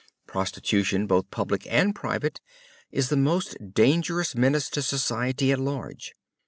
Prostitution, both public and private is the most dangerous menace to society at large.